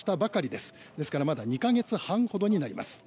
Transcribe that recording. ですからまだ２か月半ほどになります。